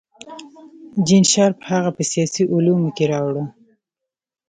جین شارپ هغه په سیاسي علومو کې راوړه.